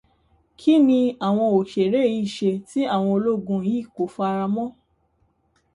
Kí ni àwọn òṣèré yìí ṣe tí àwọn ológun yìí kò faramọ́?